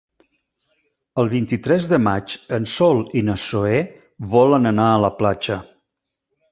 El vint-i-tres de maig en Sol i na Zoè volen anar a la platja.